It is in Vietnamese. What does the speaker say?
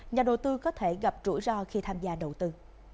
nhà đầu tư có thể gặp rủi ro khi tham gia đầu tư